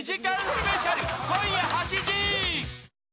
スペシャル今夜８時！